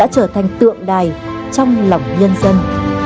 trở thành tượng đài trong lòng nhân dân